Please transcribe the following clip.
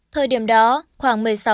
thời điểm đó khoảng một mươi sáu h